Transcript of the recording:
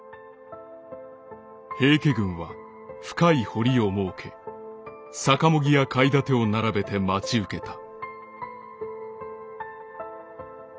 「平家軍は深い堀を設け逆茂木や垣楯を並べて待ち受けた」。